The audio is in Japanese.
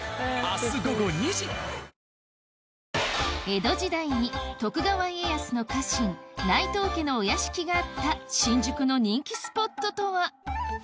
江戸時代に徳川家康の家臣内藤家のお屋敷があった新宿の人気スポットとは？